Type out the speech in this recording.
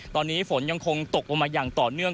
ตอนนี้ฝนยังคงตกลงมาอย่างต่อเนื่อง